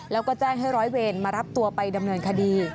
แล้วก็แจ้งให้ร้อยเวรมารับตัวไปดำเนินคดี